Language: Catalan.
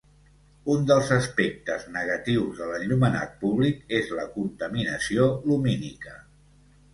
Un dels aspectes negatius de l'enllumenat públic és la contaminació lumínica.